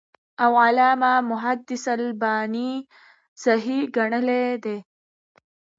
او علامه محدِّث الباني صحيح ګڼلی دی .